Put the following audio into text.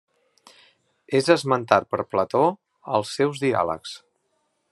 És esmentat per Plató als seus diàlegs.